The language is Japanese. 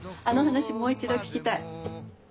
あの話もう一度聞きたい。